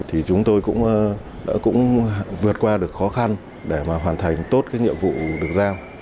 thì chúng tôi cũng vượt qua được khó khăn để hoàn thành tốt nhiệm vụ được giao